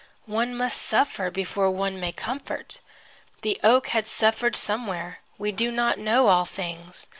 One must suffer before one may comfort. The oak had suffered somewhere. We do not know all things.